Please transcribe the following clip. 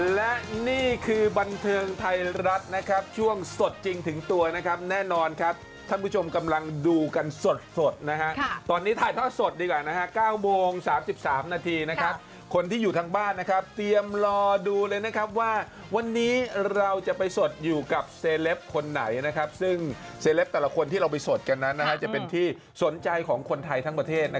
และนี่คือบันเทิงไทยรัฐนะครับช่วงสดจริงถึงตัวนะครับแน่นอนครับท่านผู้ชมกำลังดูกันสดนะฮะตอนนี้ถ่ายทอดสดดีกว่านะฮะ๙โมง๓๓นาทีนะครับคนที่อยู่ทางบ้านนะครับเตรียมรอดูเลยนะครับว่าวันนี้เราจะไปสดอยู่กับเซลปคนไหนนะครับซึ่งเซเลปแต่ละคนที่เราไปสดกันนั้นนะฮะจะเป็นที่สนใจของคนไทยทั้งประเทศ